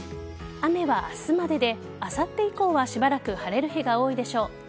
雨は明日までであさって以降はしばらく晴れる日が多いでしょう。